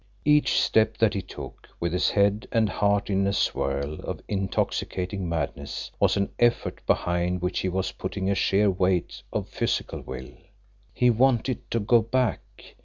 Each step that he took, with his head and heart in a swirl of intoxicating madness, was an effort behind which he was putting a sheer weight of physical will. He wanted to go back.